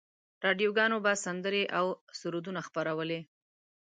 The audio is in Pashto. راډیوګانو به سندرې او سرودونه خپرولې.